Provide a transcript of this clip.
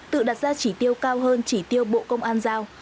tự đặt ra chỉ tiêu cao hơn chỉ tiêu bộ công an giao